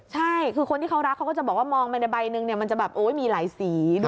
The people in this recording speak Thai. ใช่คือคนที่เขารักเขาก็จะบอกว่ามองในใบหนึ่งมันจะมีหลายสี